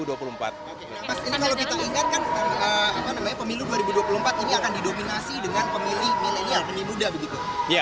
nah mas ini kalau kita ingat kan pemilu dua ribu dua puluh empat ini akan didominasi dengan pemilih milenial pemilih muda begitu